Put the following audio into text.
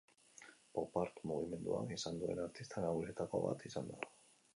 Pop Art mugimenduak izan duen artista nagusietako bat izan da.